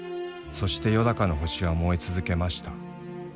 「そしてよだかの星は燃えつゞけました。